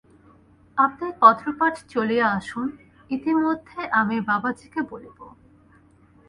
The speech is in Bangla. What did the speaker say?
আপনি পত্রপাঠ চলিয়া আসুন, ইতোমধ্যে আমি বাবাজীকে বলিব।